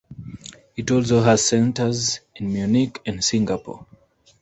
It also has centers in Munich and Singapore.